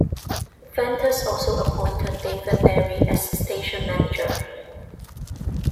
Venters also appointed David Berry as station manager.